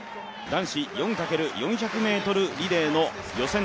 男子４×４００ｍリレーの予選